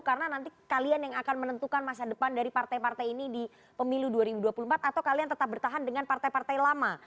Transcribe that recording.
karena nanti kalian yang akan menentukan masa depan dari partai partai ini di pemilu dua ribu dua puluh empat atau kalian tetap bertahan dengan partai partai lama